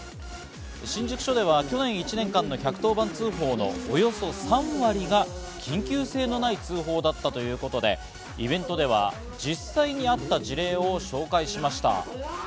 新宿署では去年１年間の１１０番通報のおよそ３割が緊急性のない通報だったということでイベントでは実際にあった事例を紹介しました。